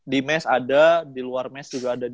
di mes ada di luar mes juga ada di